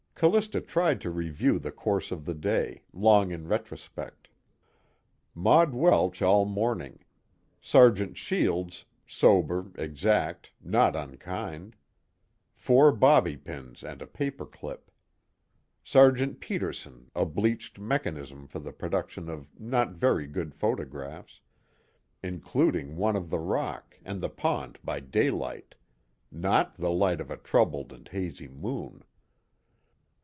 Callista tried to review the course of the day, long in retrospect. Maud Welsh all morning. Sergeant Shields, sober, exact, not unkind: four bobby pins and a paper clip. Sergeant Peterson a bleached mechanism for the production of not very good photographs, including one of the rock and the pond by daylight, not the light of a troubled and hazy moon.